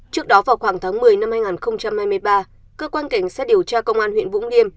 trước đó vào khoảng tháng một mươi năm hai nghìn hai mươi ba cơ quan cảnh sát điều tra công an huyện vũng liêm